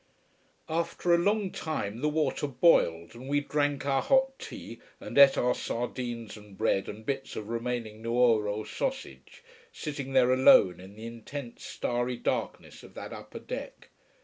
After a long time the water boiled, and we drank our hot tea and ate our sardines and bread and bits of remaining Nuoro sausage, sitting there alone in the intense starry darkness of that upper deck.